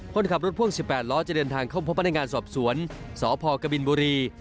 คนขับรถพ่วง๑๘ล้อจะเดินทางเข้าพบพนักงานสอบสวนสพกบินบุรี